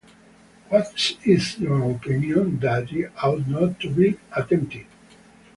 What is your opinion? 'That it ought not to be attempted'.